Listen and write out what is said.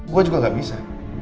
gue juga gak bisa